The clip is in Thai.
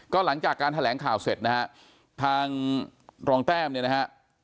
ก็หลังจากการแถลงข่าวเสร็จนะฮะทางรองแต้มเนี่ยนะฮะ